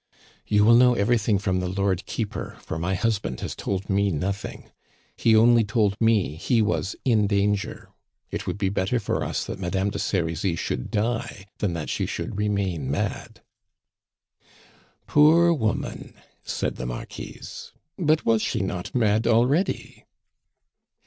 "You will know everything from the Lord Keeper, for my husband has told me nothing. He only told me he was in danger. It would be better for us that Madame de Serizy should die than that she should remain mad." "Poor woman!" said the Marquise. "But was she not mad already?"